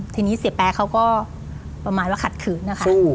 ทีนี้เสียแป๊เขาก็ประมาณว่าขัดขืนนะคะ